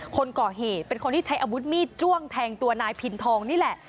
คนก่อเหตุเป็นคนที่ใช้อาวุธมีดจ้วงแทงตัวนายพินทองนี่แหละ